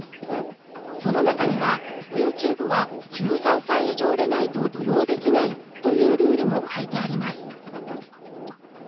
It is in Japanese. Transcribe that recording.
その中にはＹｏｕＴｕｂｅは１３歳以上でないと利用できないというルールも書いてあります